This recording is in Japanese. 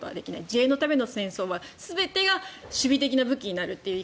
自衛のための戦争は全てが守備的な武器になるという